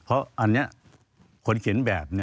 เพราะอันนี้คนเขียนแบบ